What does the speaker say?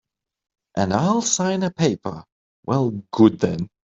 And I'll sign a paper.